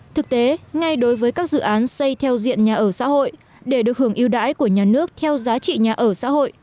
thực tế ngay đối với các dự án xây theo diện nhà ở xã hội để được hưởng yêu đái của nhà nước theo giá trị nhà ở xã hội